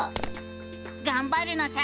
がんばるのさ！